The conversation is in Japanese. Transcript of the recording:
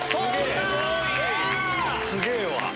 すげぇわ。